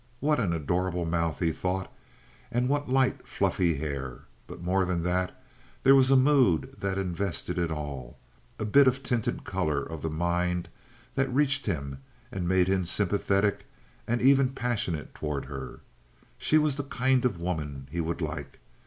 What an adorable mouth, he thought, and what light, fluffy hair! But, more than that, there was a mood that invested it all—a bit of tinted color of the mind that reached him and made him sympathetic and even passionate toward her. She was the kind of woman he would like.